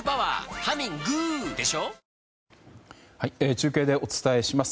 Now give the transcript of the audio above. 中継でお伝えします。